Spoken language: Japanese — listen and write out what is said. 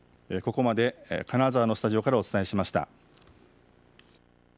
ここまで金沢のスタジオからお伝えしました。